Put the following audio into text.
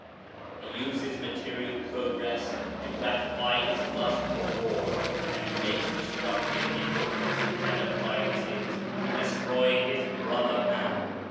He uses material progress to gratify his lust for war, and he makes destructive implements and appliances to destroy his brother man.